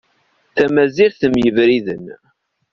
Tamazirt mm yebriden.